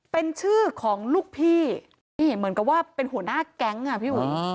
เป็นชื่อของลูกพี่นี่เหมือนกับว่าเป็นหัวหน้าแก๊งอ่ะพี่อุ๋ย